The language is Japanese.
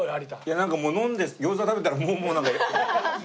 なんかもう飲んで餃子食べたらなんかもういいかなって。